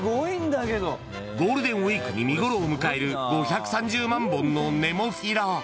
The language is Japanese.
ゴールデンウィークに見ごろを迎える５３０万本のネモフィラ。